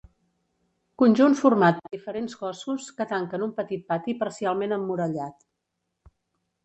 Conjunt format per diferents cossos que tanquen un petit pati parcialment emmurallat.